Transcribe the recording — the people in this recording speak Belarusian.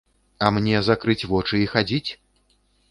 А мне закрыць вочы і хадзіць?